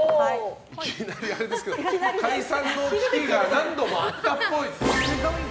いきなりあれですけど解散の危機が何度もあったっぽい。